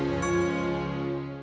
masih penuh orang orang